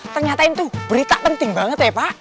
ternyata itu berita penting banget ya pak